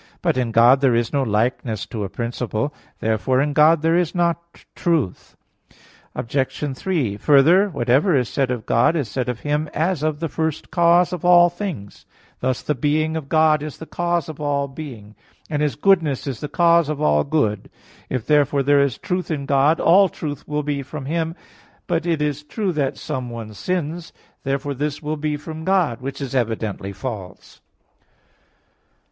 But in God there is no likeness to a principle. Therefore in God there is not truth. Obj. 3: Further, whatever is said of God, is said of Him as of the first cause of all things; thus the being of God is the cause of all being; and His goodness the cause of all good. If therefore there is truth in God, all truth will be from Him. But it is true that someone sins. Therefore this will be from God; which is evidently false.